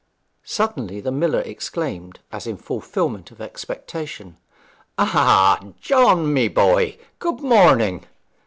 Suddenly the miller exclaimed, as in fulfilment of expectation, 'Ah, John, my boy; good morning!'